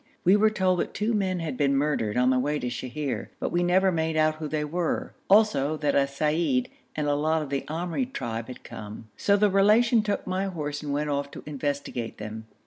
We were told that two men had been murdered on the way to Sheher, but we never made out who they were; also that a seyyid and a lot of the Amri tribe had come, so the Relation took my horse and went off to investigate them.